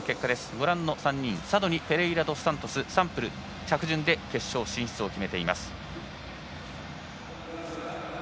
ご覧の３人サドニ、フェレイラドスサントスサンプル着順で決勝進出を決めています。